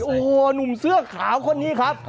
โอ้โหหนุ่มเสื้อขาวคนนี้ครับ